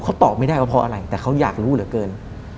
เขาตอบไม่ได้ว่าเพราะอะไรแต่เขาอยากรู้เหลือเกิน